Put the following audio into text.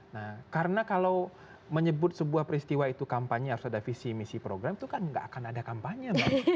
nah karena kalau menyebut sebuah peristiwa itu kampanye harus ada visi misi program itu kan nggak akan ada kampanye